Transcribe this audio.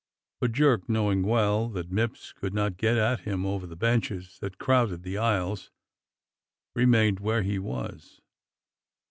But Jerk, knowing well that Mipps could not get at him over the benches that crowded the aisles, remained where he was.